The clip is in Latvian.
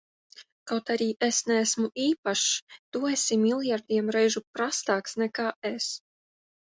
Kaut arī es neesmu īpašs, tu esi miljardiem reižu prastāks nekā es!